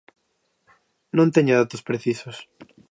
Non teño datos precisos.